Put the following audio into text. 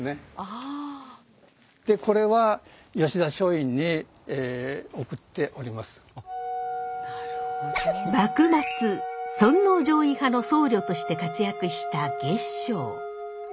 これは幕末尊王攘夷派の僧侶として活躍した月性。